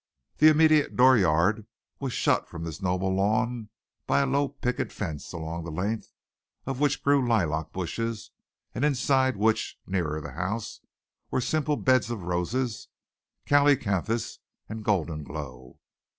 The immediate dooryard was shut from this noble lawn by a low picket fence along the length of which grew lilac bushes and inside which, nearer the house, were simple beds of roses, calycanthus and golden glow.